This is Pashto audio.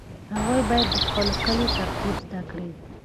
هغوی باید د خپلو کاليو ترتیب زده کړي.